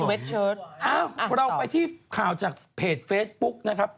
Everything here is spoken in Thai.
เราไปที่ข่าวจากเพจเฟซบุ๊กนะครับ